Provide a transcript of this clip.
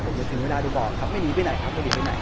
ผมจะทิ้งเวลาดูบอกครับไม่รีบไปไหนครับไม่รีบไปไหน